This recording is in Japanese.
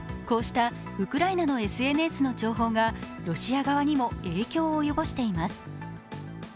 こうしたウクライナのＳＮＳの情報がロシア側にも影響を及ぼしています。